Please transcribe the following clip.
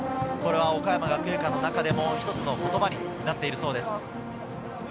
岡山学芸館の中でも一つの言葉になっているそうです。